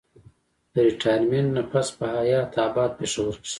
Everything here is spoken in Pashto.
د ريټائرمنټ نه پس پۀ حيات اباد پېښور کښې